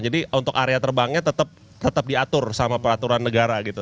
jadi untuk area terbangnya tetap diatur sama peraturan negara gitu